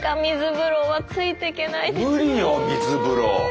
無理よ水風呂。